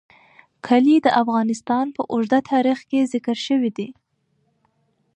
کلي د افغانستان په اوږده تاریخ کې ذکر شوی دی.